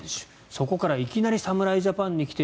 そこからいきなり侍ジャパンに来て